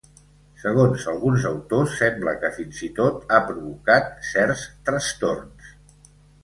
Segons alguns autors, sembla que, fins i tot, ha provocat certs trastorns.